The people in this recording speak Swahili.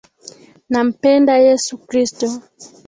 Nampenda yesu Kristo